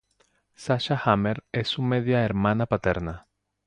Sasha Hammer es su media hermana paterna.